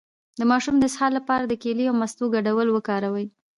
د ماشوم د اسهال لپاره د کیلې او مستو ګډول وکاروئ